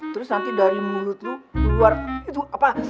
terus nanti dari mulut lu keluar itu apa